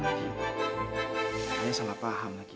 nanti ayah salah paham lagi